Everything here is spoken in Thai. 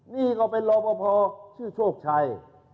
นี่ก็เป็นรอปภชื่อโชคชัย